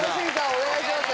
お願いしますよ